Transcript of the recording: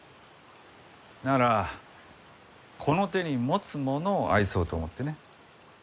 ならこの手に持つものを愛そうと思ってね。